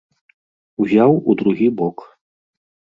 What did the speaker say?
Узяў у другі бок.